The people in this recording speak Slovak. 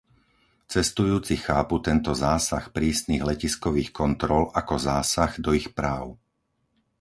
Cestujúci chápu tento zásah prísnych letiskových kontrol ako zásah do ich práv.